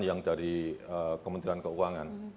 yang dari kementerian keuangan